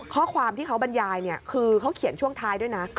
ข้อความที่เขาบรรยายคือเขาเขียนช่วงท้ายด้วยนะ